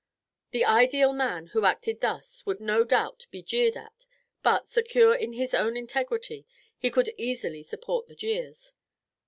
The ideal man who acted thus would no doubt be jeered at, but, secure in his own integrity, he could easily support the jeers.